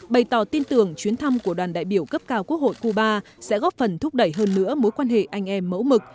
bày tỏ tin tưởng chuyến thăm của đoàn đại biểu cấp cao quốc hội cuba sẽ góp phần thúc đẩy hơn nữa mối quan hệ anh em mẫu mực